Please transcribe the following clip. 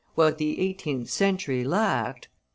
"What the eighteenth century lacked [M.